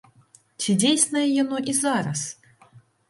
Ці дзейснае яно і зараз?